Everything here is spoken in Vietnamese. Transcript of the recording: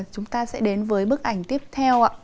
chúng ta sẽ đến với bức ảnh tiếp theo ạ